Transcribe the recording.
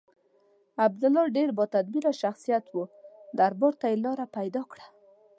عبدالله ډېر با تدبیره شخصیت و دربار ته یې لاره پیدا کړه.